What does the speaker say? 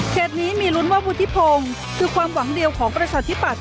นี้มีลุ้นว่าวุฒิพงศ์คือความหวังเดียวของประชาธิปัตย